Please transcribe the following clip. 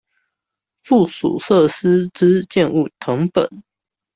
附屬設施之建物謄本